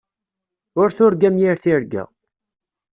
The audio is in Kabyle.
Ur turgam yir tirga.